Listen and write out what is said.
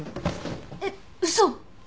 えっ嘘！